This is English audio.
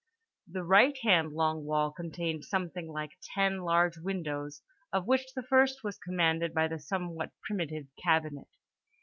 The right hand long wall contained something like ten large windows, of which the first was commanded by the somewhat primitive cabinet.